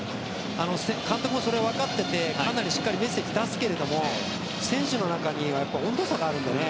監督もそれを分かっていてしっかりメッセージを出すけども選手の中に温度差があったりしてね。